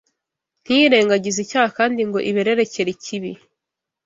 ntiyirengagize icyaha kandi ngo ibererekere ikibi